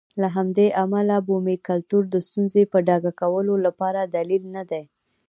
له همدې امله بومي کلتور د ستونزې په ډاګه کولو لپاره دلیل نه دی.